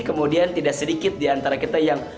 kemudian tidak sedikit diantara kita yang